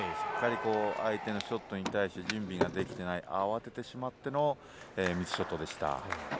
相手のショットに対して準備ができない、慌ててしまってのミスショットでした。